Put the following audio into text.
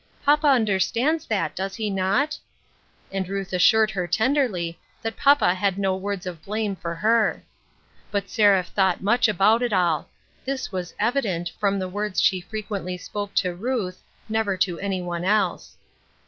Papa understands that, does he not ?" And Ruth as sured her tenderly that papa had no words of blame for her. But Seraph thought much about it all ; this was evident, from the words she fre quently spoke to Ruth, never to any one else.